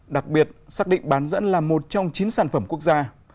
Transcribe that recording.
đặc biệt xác định bán dẫn là một trong chín sản phẩm quốc gia